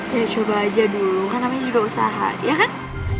ya coba aja dulu kan namanya juga usaha ya kan